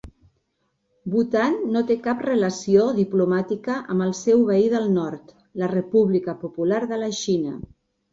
Bhutan no té cap relació diplomàtica amb el seu veí del nord, la República Popular de la Xina.